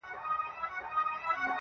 خداى نه چي زه خواست كوم نو دغـــه وي